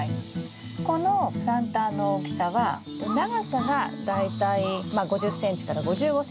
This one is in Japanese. このプランターの大きさは長さが大体まあ５０ｃｍ５５ｃｍ。